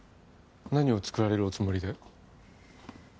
何を作られるおつもりで？